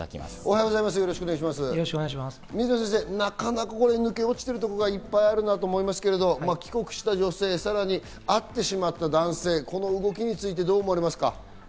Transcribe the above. よろしくお願いし水野先生、抜け落ちたところがいっぱいあると思いますけど帰国した女性、さらに会ってしまった男性、この動きについてどう思われますか？